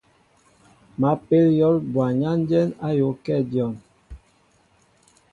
Ma pél yǒl ɓɔwnanjɛn ayōōakɛ dyon.